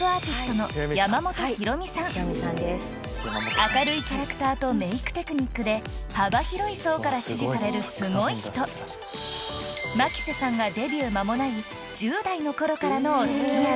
明るいキャラクターとメイクテクニックで幅広い層から支持されるすごい人牧瀬さんがデビュー間もない１０代の頃からのお付き合い